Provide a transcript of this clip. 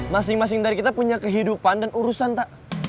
masing masing dari kita punya kehidupan dan urusan tak